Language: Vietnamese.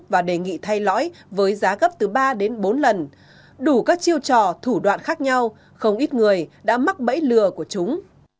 và đề nghị thay lõi với giá gấp từ ba đến bốn lần đủ các chiêu trò thủ đoạn khác nhau không ít người đã mắc bẫy lừa của chúng